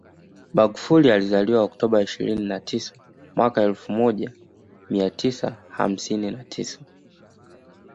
Magufuli alizaliwa Oktoba ishirini na tisa mwaka elfu mija mia tisa hamsini na tisa